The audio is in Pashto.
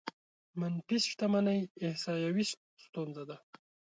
منفي شتمنۍ احصايوي ستونزه ده.